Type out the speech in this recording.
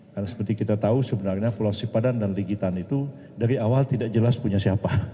karena seperti kita tahu sebenarnya pulau sipadan dan legitan itu dari awal tidak jelas punya siapa